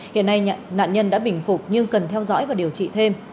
hiện nay nạn nhân đã bình phục nhưng cần theo dõi và điều trị thêm